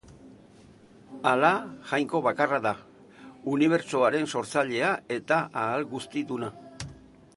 Ala jainko bakarra da, Unibertsoaren sortzailea eta ahalguztiduna.